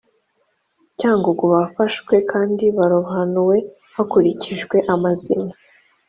cyangugu bafashwe kandi barobanuwe hakurikijwe amazina